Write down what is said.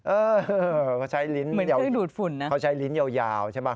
เออเขาใช้ลิ้นเหมือนเดี๋ยวเขาใช้ลิ้นยาวใช่ไหม